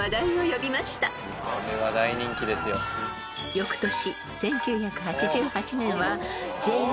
［翌年］